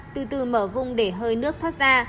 từ từ mở vung để hơi nước thoát ra